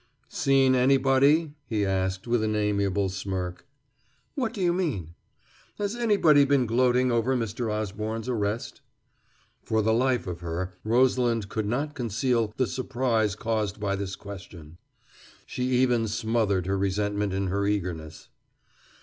"Seen anybody?" he asked, with an amiable smirk. "What do you mean?" "Has anybody been gloating over Mr. Osborne's arrest?" For the life of her, Rosalind could not conceal the surprise caused by this question. She even smothered her resentment in her eagerness.